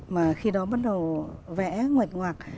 mà khi đó bắt đầu vẽ ngoạch ngoạc